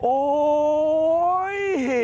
โอ้ย